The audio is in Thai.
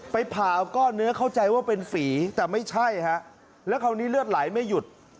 ไปผ่าเอาก้อนเนื้อเข้าใจว่าเป็นฝีแต่ไม่ใช่ฮะแล้วคราวนี้เลือดไหลไม่หยุด